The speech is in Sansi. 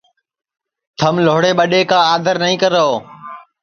تھم لھوڑے ٻڈؔے کا آدر نائیں کرو